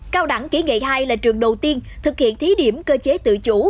cao đẳng kỹ nghệ hai là trường đầu tiên thực hiện thí điểm cơ chế tự chủ